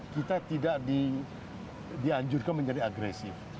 kita tidak dianjurkan menjadi agresif